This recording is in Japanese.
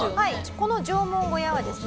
この縄文小屋はですね